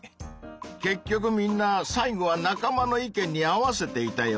結局みんな最後は仲間の意見に合わせていたよね！